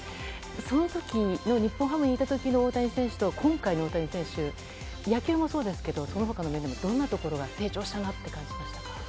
その時の日本ハムにいた時の大谷選手と今回の大谷選手その他の面でもどんなところが成長したと感じましたか？